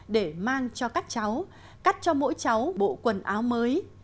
để mang cho các cháu cắt cho mỗi cháu bộ quần áo mới